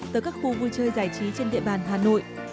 tới các khu vui chơi giải trí trên địa bàn hà nội